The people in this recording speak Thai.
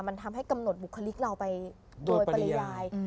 มันทำให้กำหนดบุคลิกเราไปโดยปริยาย